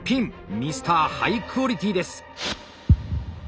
ミスターハイクオリティーです。